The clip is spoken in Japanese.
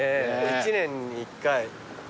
１年に１回。